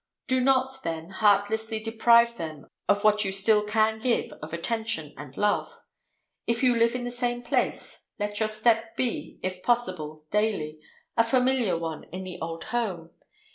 Do not, then, heartlessly deprive them of what you still can give of attention and love. If you live in the same place, let your step be—if possible, daily—a familiar one in the old home.